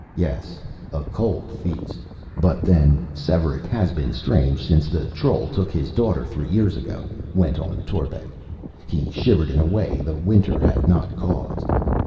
Yes a cold feast! "But then, Svearek has been strange since the troll took his daughter, three years ago," went on Torbek. He shivered in a way the winter had not caused.